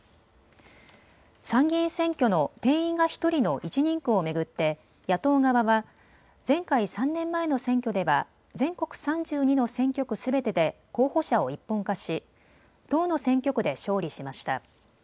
参議院選挙の定員が１人の１人区を巡って野党側は前回３年前の選挙では全国３２の選挙区すべてで候補者を一本化し１０の選挙区で勝利しました。